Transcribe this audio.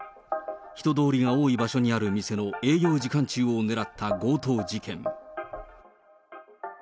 人通りが多い場所にある店の営業時間中を狙った強盗事件。